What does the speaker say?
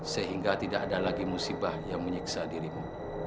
sehingga tidak ada lagi musibah yang menyiksa dirimu